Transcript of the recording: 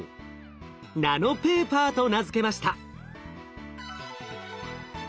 「ナノペーパー」と名付けました。